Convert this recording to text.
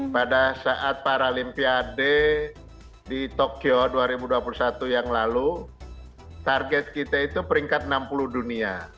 pada saat paralimpiade di tokyo dua ribu dua puluh satu yang lalu target kita itu peringkat enam puluh dunia